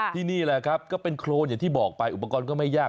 นี่แหละครับก็เป็นโครนอย่างที่บอกไปอุปกรณ์ก็ไม่ยาก